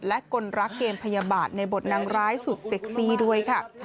และคนรักเกมพยาบาทในบทนางร้ายสุดเซ็กซี่ด้วยค่ะ